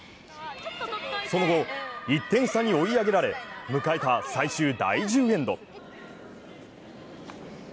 その後、１点差に追い上げられ、迎えた最終第１０エンド。